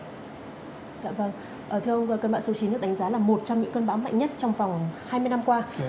thưa ông cơn bão số chín được đánh giá là một trong những cơn bão mạnh nhất trong vòng hai mươi năm qua